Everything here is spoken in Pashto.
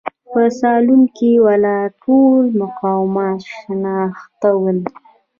په سالون کې ولاړ ټول مقامات شناخته ول.